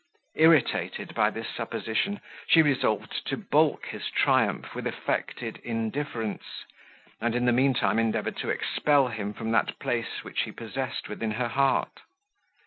Irritated by this supposition, she resolved to balk his triumph with affected indifference, and in the mean time endeavoured to expel him from that place which he possessed within her heart.